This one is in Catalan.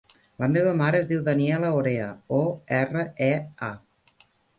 La meva mare es diu Daniella Orea: o, erra, e, a.